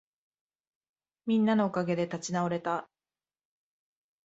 みんなのおかげで立ち直れた